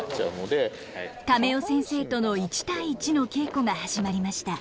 亀尾先生との１対１の稽古が始まりました。